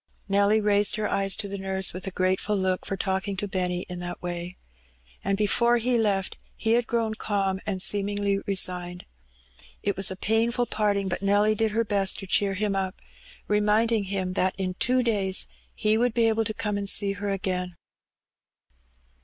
Nelly raised her eyes to the nurse with a grateful look ce Benny Peays. 121 for talking to Benny in that way. And before he left he had grown cahn, and seemingly resigned. It was a painful parting ; but Nelly did her best to cheer him up, reminding him that in two days he would be able to come and see her again.